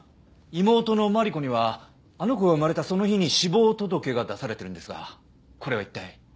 妹の万里子にはあの子が生まれたその日に死亡届が出されてるんですがこれは一体？